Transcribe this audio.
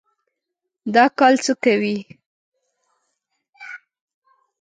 دا کال څه کوئ؟